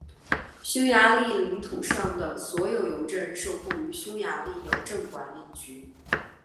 匈牙利领土上的所有邮局受控于匈牙利邮政管理局。